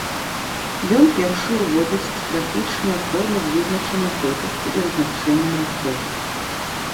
Ён першы ўводзіць страфічныя формы з вызначанай колькасцю і размяшчэннем радкоў.